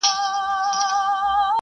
ویل ژر سه مُلا پورته سه کښتۍ ته `